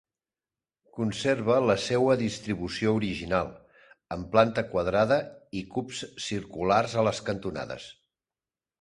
Conserva la seua distribució original, amb planta quadrada i cubs circulars a les cantonades.